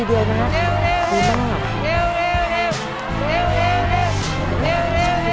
เร็วเร็ว